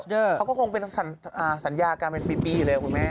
เขาก็คงเป็นสัญญาการเป็นปีเลยคุณแม่